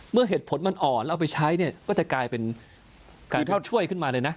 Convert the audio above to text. เมื่อเหตุผลมันอ่อนเอาไปใช้เนี่ยก็จะกลายเป็นการเข้าช่วยขึ้นมาเลยนะ